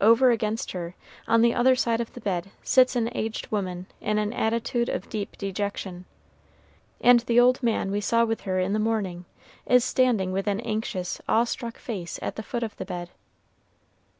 Over against her, on the other side of the bed, sits an aged woman in an attitude of deep dejection, and the old man we saw with her in the morning is standing with an anxious, awestruck face at the foot of the bed.